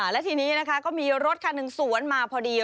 และทีนี้นะคะก็มีรถคันหนึ่งสวนมาพอดี